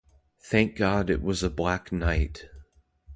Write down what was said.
Thank God it was a black night.